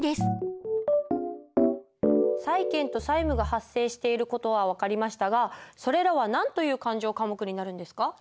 債権と債務が発生している事は分かりましたがそれらは何という勘定科目になるんですか？